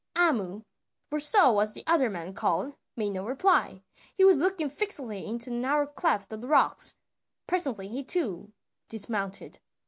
Amu, for so was the other man called, made no reply: he was looking fixedly into a narrow cleft of the rocks. Presently he too dismounted.